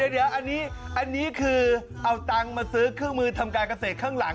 เดี๋ยวอันนี้คือเอาตังค์มาซื้อเครื่องมือทำการเกษตรข้างหลัง